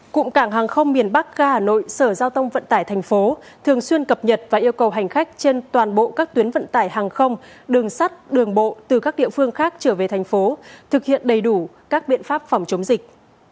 cụm cảng hàng không miền bắc ga hà nội sở giao thông vận tải thành phố thường xuyên cập nhật và yêu cầu hành khách trên toàn bộ các tuyến vận tải hàng không đường sắt đường bộ từ các địa phương khác trở về thành phố thực hiện đầy đủ các biện pháp phòng chống dịch